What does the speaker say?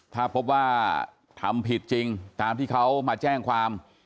ถ้าพบว่าทำผิดจริงตามที่เขามาแจ้งความ